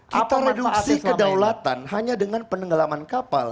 kita reduksi kedaulatan hanya dengan penenggelaman kapal